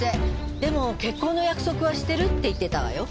でも結婚の約束はしてるって言ってたわよ。